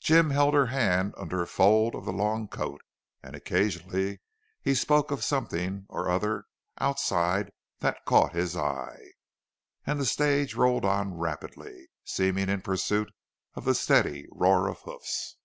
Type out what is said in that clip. Jim held her hand under a fold of the long coat, and occasionally he spoke of something or other outside that caught his eye. And the stage rolled on rapidly, seemingly in pursuit of the steady roar of hoofs.